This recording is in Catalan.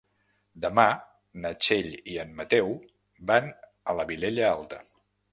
Demà na Txell i en Mateu van a la Vilella Alta.